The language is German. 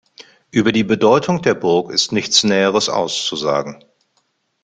Über die Bedeutung der Burg ist nichts Näheres auszusagen.